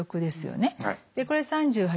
これ３８